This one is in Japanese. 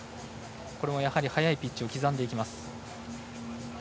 やはり速いピッチを刻んでいきます。